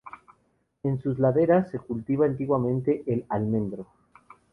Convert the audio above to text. En sus laderas se cultivaba antiguamente el almendro.